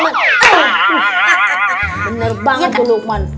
bener banget tuh lukman